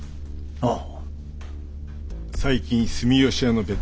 ああ。